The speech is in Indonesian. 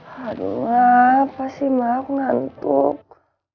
haduh apa sih ma aku ngantuk